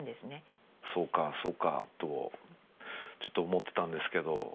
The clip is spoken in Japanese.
そうかそうかとちょっと思ってたんですけど。